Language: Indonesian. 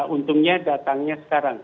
untungnya datangnya sekarang